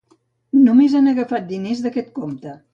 Només han agafat diners d’aquest compte.